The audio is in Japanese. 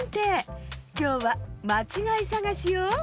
きょうはまちがいさがしよ。